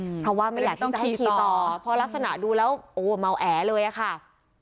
เพราะว่าไม่อยากที่จะให้ขี่ต่อเพราะลักษณะดูแล้วโอ้เมาแอเลยอะค่ะ